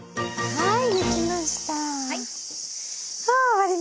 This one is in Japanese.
はい。